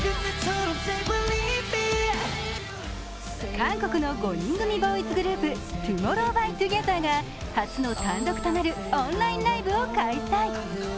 韓国の５人組ボーイズグループＴＯＭＯＲＲＯＷ×ＴＯＧＥＴＨＥＲが初の単独となるオンラインライブを開催。